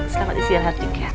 selamat istirahat juga